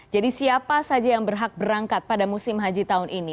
jadi siapa saja yang berhak berangkat pada musim haji tahun ini